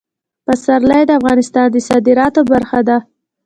پسرلی د افغانستان د صادراتو برخه ده.